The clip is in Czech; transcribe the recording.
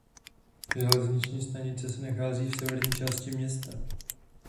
Železniční stanice se nachází v severní části města.